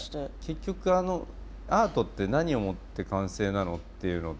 結局アートって何をもって完成なのっていうのって